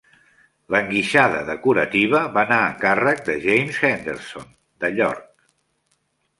L'enguixada decorativa va anar a càrrec de James Henderson de York.